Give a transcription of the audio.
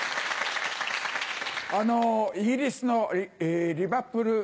あのイギリスのリバプル。